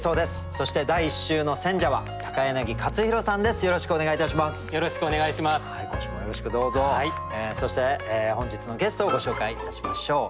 そして本日のゲストをご紹介いたしましょう。